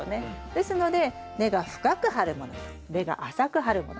ですので根が深く張るものと根が浅く張るもの